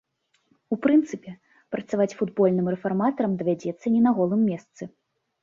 У прынцыпе, працаваць футбольным рэфарматарам давядзецца не на голым месцы.